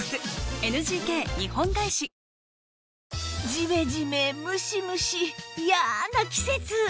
ジメジメムシムシ嫌な季節